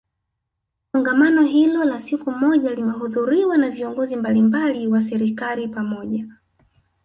Kongamano hilo la siku moja limehudhuriwa na viongozi mbalimbali wa serikali pamoja